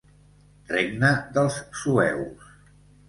Regne dels sueus.